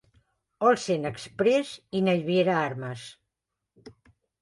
Olsen Express i Naviera Armas.